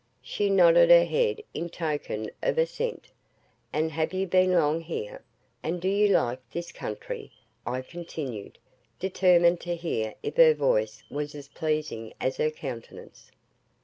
She nodded her head in token of assent. "And have you been long here? and do you like this new country?" I continued, determined to hear if her voice was as pleasing as her countenance.